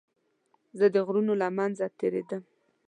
زه د غرونو له منځه تېرېدم.